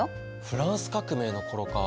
フランス革命の頃か。